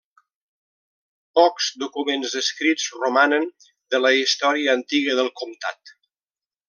Pocs documents escrits romanen de la història antiga del comtat.